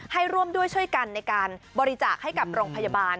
ให้ร่วมด้วยช่วยกันในการบริจาคให้กับโรงพยาบาล